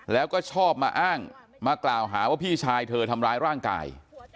แล้วก็ชอบมาอ้างมากล่าวหาว่าพี่ชายเธอทำร้ายร่างกาย